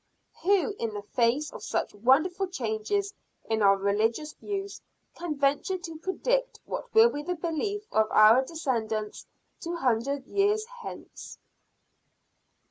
Who, in the face of such wonderful changes in our religious views, can venture to predict what will be the belief of our descendants two hundred years hence?